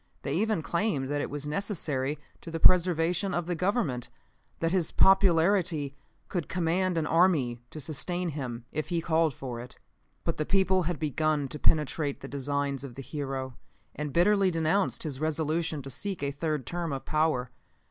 They even claimed that it was necessary to the preservation of the Government; that his popularity could command an army to sustain him if he called for it. "But the people had begun to penetrate the designs of the hero, and bitterly denounced his resolution to seek a third term of power.